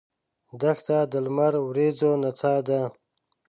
دښته د لمر وریځو نڅا ده.